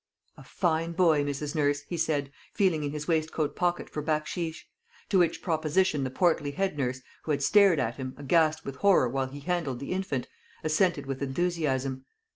"A fine boy, Mrs. Nurse," he said, feeling in his waistcoat pocket for bacsheesh; to which proposition the portly head nurse, who had stared at him, aghast with horror, while he handled the infant, assented with enthusiasm.